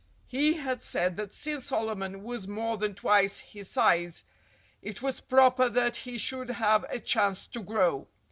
He had said that since Solomon was more than twice his size, it was proper that he should have a chance to grow.